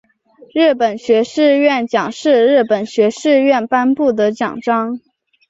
日本学士院奖是日本学士院颁发的奖章。